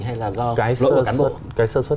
hay là do lỗi của cán bộ cái sơ xuất